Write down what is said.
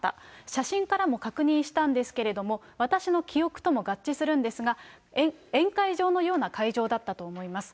写真からも確認したんですけれども、私の記憶とも合致するんですが、宴会場のような会場だったと思います。